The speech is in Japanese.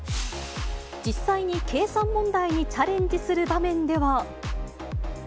実際に計算問題にチャレンジする場面では。